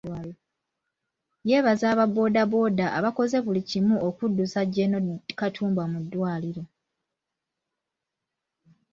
Yeebaza aba boodabooda abaakoze buli kimu okuddusa Gen. Katumba mu ddwaliro.